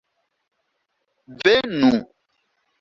venu